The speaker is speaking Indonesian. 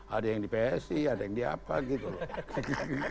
ada yang di psi ada yang di apa gitu loh